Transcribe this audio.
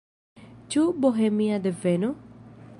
Ĉu bohemia deveno?